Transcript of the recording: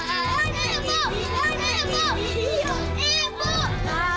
semakin kamu kasar dia tuh semakin ketakutan